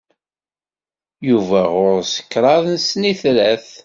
Yuba ɣur-s kraḍ n snitrat.